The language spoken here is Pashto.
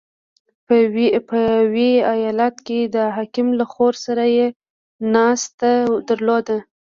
• په ویي ایالت کې د حاکم له خور سره یې ناسته درلوده.